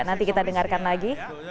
nanti kita dengarkan lagi